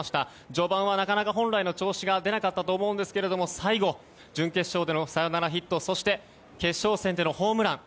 序盤はなかなか本来の調子が出なかったと思いますが最後、準決勝でのサヨナラヒットそして決勝戦でのホームラン。